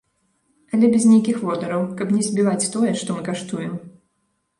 Але без нейкіх водараў, каб не збіваць тое, што мы каштуем.